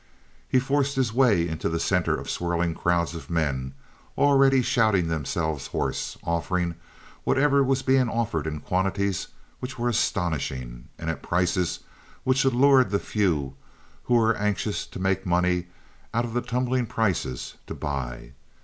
He forced his way into the center of swirling crowds of men already shouting themselves hoarse, offering whatever was being offered in quantities which were astonishing, and at prices which allured the few who were anxious to make money out of the tumbling prices to buy.